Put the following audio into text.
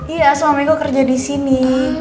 iya suamiku kerja di sini